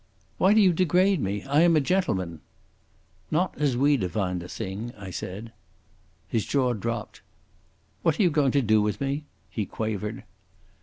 "Why do you degrade me? I am a gentleman." "Not as we define the thing," I said. His jaw dropped. "What are you going to do with me?" he quavered.